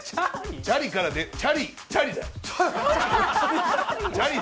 チャリからで、チャリ、チャリだ。